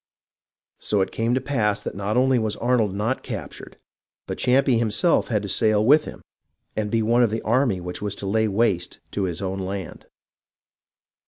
So it came to pass that not only was Arnold not captured but Champe himself had to sail with him and be one of the army which was to lay waste his own land.